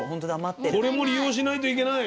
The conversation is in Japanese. これも利用しないといけない！